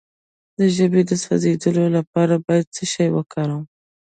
د ژبې د سوځیدو لپاره باید څه شی وکاروم؟